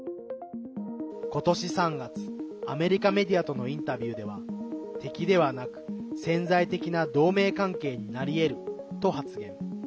ことし３月アメリカメディアとのインタビューでは敵ではなく、潜在的な同盟関係になりえると発言。